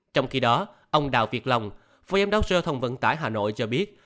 trong khi đó ông đào việt long phó giám đốc sở giao thông vận tải hà nội cho biết